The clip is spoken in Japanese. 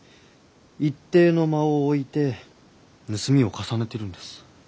一定の間を置いて盗みを重ねてるんです。